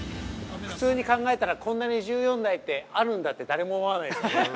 ◆普通に考えたらこんなに十四代ってあるんだって誰も思わないよね。